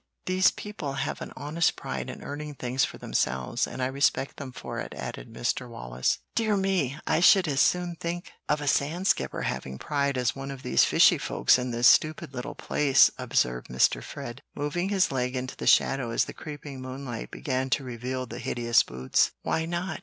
These people have an honest pride in earning things for themselves, and I respect them for it," added Mr. Wallace. "Dear me! I should as soon think of a sand skipper having pride as one of these fishy folks in this stupid little place," observed Mr. Fred, moving his legs into the shadow as the creeping moonlight began to reveal the hideous boots. "Why not?